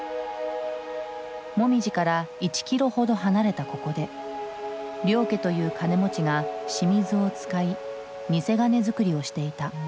モミジから１キロほど離れたここで領家という金持ちが清水を使い偽金づくりをしていた。